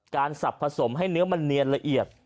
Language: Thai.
สับผสมให้เนื้อมันเนียนละเอียด